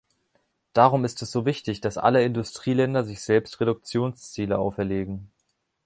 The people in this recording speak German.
Darum ist es so wichtig, dass alle Industrieländer sich selbst Reduktionsziele auferlegen.